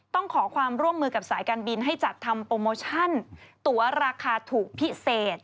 ต้องขอความร่วมมือกับสายการบินให้จัดทำโปรโมชั่นตัวราคาถูกพิเศษ